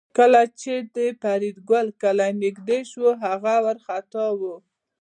کله چې د فریدګل کلی نږدې شو هغه وارخطا و